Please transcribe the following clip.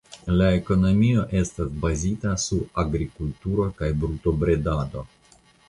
La ekonomio estas bazita sur agrikulturo kaj brutobredado.